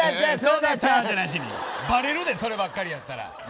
バレるでそればっかりだったら。